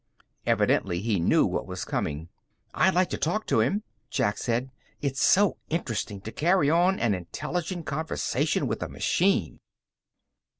Evidently, he knew what was coming. "I'd like to talk to him," Jack said. "It's so interesting to carry on an intelligent conversation with a machine."